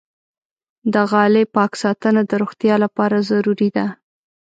د غالۍ پاک ساتنه د روغتیا لپاره ضروري ده.